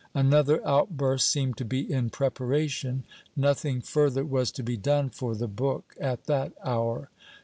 Another outburst seemed to be in preparation. Nothing further was to be done for the book at that hour.